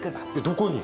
どこに？